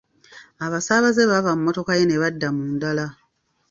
Abasaabaze baava mu mmotoka ye ne badda mu ndala.